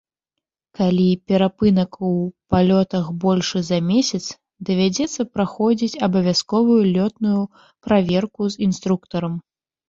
Калі перапынак у палётах большы за месяц, давядзецца праходзіць абавязковую лётную праверку з інструктарам.